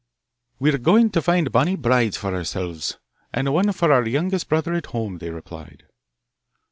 'We are going to find bonny brides for ourselves, and one for our youngest brother at home,' they replied.